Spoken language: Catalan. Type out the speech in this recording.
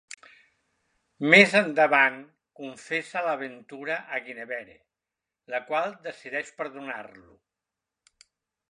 Més endavant confessa l'aventura a Guinevere, la qual decideix perdonar-lo.